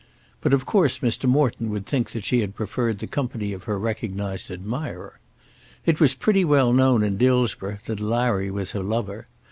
But of course Mr. Morton would think that she had preferred the company of her recognised admirer. It was pretty well known in Dillsborough that Larry was her lover.